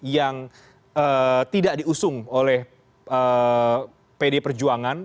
yang tidak diusung oleh pd perjuangan